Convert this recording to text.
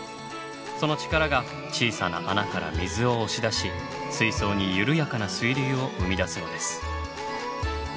その力が小さな穴から水を押し出し水槽に緩やかな水流を生み出すのです。